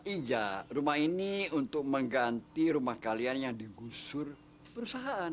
iya rumah ini untuk mengganti rumah kalian yang digusur perusahaan